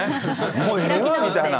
もうええわ、みたいな。